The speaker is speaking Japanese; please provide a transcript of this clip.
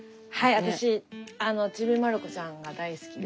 私「ちびまる子ちゃん」が大好きで。